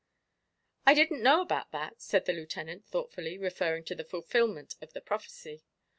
"I didn't know about that," said the Lieutenant, thoughtfully, referring to the fulfilment of the prophecy.